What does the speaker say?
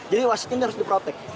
jadi wasitnya harus di protect